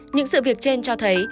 những sự việc trên cho thấy